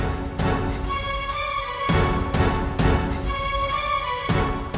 kenapa kau sudah berubah